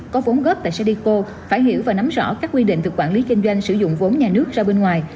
có vốn góp tại sédyco phải hiểu và nắm rõ các quy định từ quản lý kinh doanh sử dụng vốn nhà nước ra bên ngoài